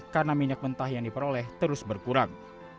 karena minyak mentah yang diperoleh terus berkurang